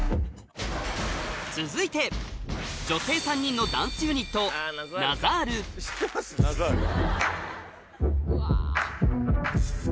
続いて女性３人のダンスユニットカッコいいな。